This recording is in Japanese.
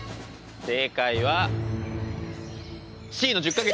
正解はＣの１０か月！